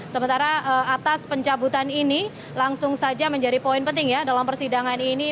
sementara atas pencabutan ini langsung saja menjadi poin penting ya dalam persidangan ini